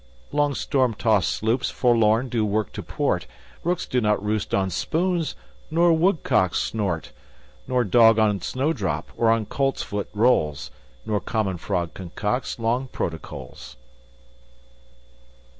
Long storm tost sloops forlorn do work to port. Rooks do not roost on spoons, nor woodcocks snort Nor dog on snowdrop or on coltsfoot rolls. Nor common frog concocts long protocols.